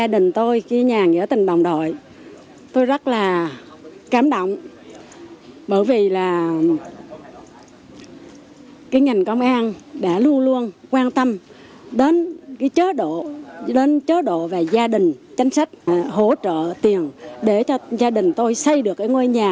đến chế độ và gia đình chánh sách hỗ trợ tiền để cho gia đình tôi xây được ngôi nhà